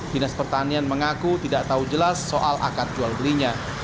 dinas pertanian mengaku tidak tahu jelas soal akar jual belinya